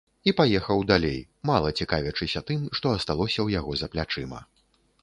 І паехаў далей, мала цікавячыся тым, што асталося ў яго за плячыма.